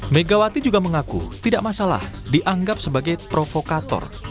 megawati juga mengaku tidak masalah dianggap sebagai provokator